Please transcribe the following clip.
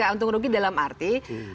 untung rugi dalam arti